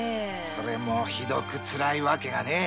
それもひどくつらい訳がねぇ。